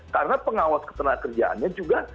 karena pengawas ketenangan kerjaannya juga